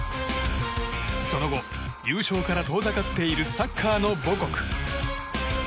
その後、優勝から遠ざかっているサッカーの母国。